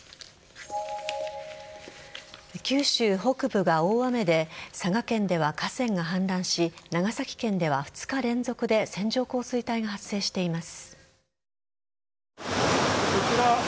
九州北部が大雨で佐賀県では河川が氾濫し長崎県では２日連続で線状降水帯が発生しています。